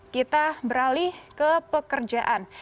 kita beralih ke pekerjaan